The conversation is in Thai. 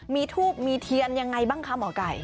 มีทูบมีเทียนยังไงบ้างคะหมอไก่